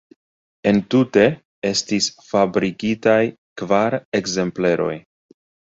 Entute estis fabrikitaj kvar ekzempleroj.